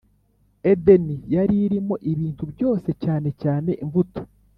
edeni yaririmo ibintu byose cyane cyane imbuto